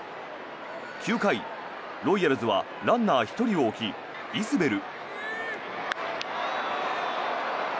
９回、ロイヤルズはランナー１人を置きイスベル。